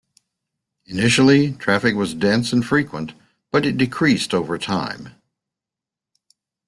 Initially, traffic was dense and frequent, but it decreased over time.